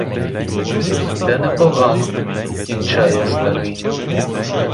Це непогано, — кінчає старий.